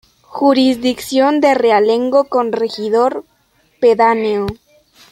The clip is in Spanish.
Jurisdicción de realengo con regidor pedáneo.